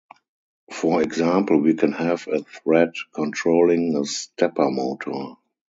For example, we can have a thread controlling a stepper motor.